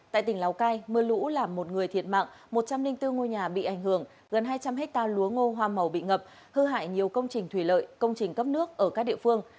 tại tỉnh lào cai mưa lũ làm một người thiệt mạng một trăm linh bốn ngôi nhà bị ảnh hưởng gần hai trăm linh hectare lúa ngô hoa màu bị ngập hư hại nhiều công trình thủy lợi công trình cấp nước ở các địa phương